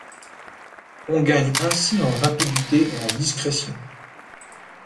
On gagne ainsi en rapidité et en discrétion.